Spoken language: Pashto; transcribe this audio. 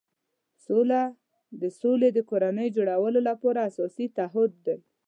سوله د سولې د کورنۍ جوړولو لپاره اساسي تهدید دی.